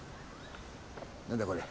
何だこれ。